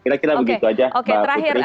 kira kira begitu saja pak putri